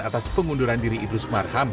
atas pengunduran diri idrus marham